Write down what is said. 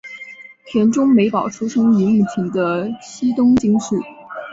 田中美保出生于目前的西东京市。